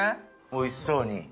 おいしそうに。